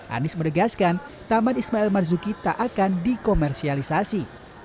anies meregaskan taman ismail marzuki tak akan dikomersialisasi